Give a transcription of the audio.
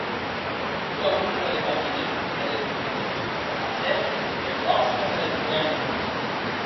Ua ombra de patiment e de desesperacion passèc peth ròstre dera joena.